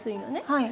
はい。